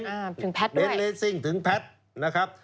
ถึงแพทย์ด้วยเบนเรสซิ่งถึงแพทย์นะครับ